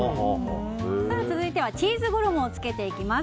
続いてはチーズ衣をつけていきます。